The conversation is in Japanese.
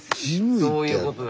そういうことだ。